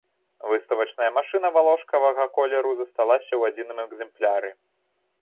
Выставачная машына валошкавага колеру засталася ў адзіным экземпляры.